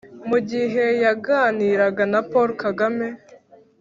mu gihe yaganiraga na paul kagame